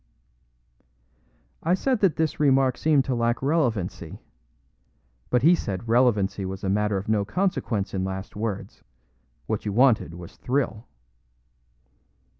I said that this remark seemed to lack relevancy; but he said relevancy was a matter of no consequence in last words, what you wanted was thrill.